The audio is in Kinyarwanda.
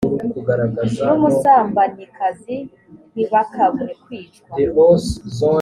n umusambanyikazi ntibakabure kwicwa